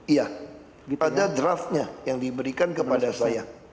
iya pada draftnya yang diberikan kepada saya